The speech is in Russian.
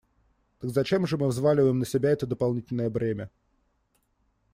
Так зачем же мы взваливаем на себя это дополнительное бремя?